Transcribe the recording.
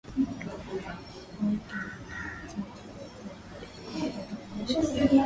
wake umebadilika sana Tabia kuu ya mabadiliko haya ilionyeshwa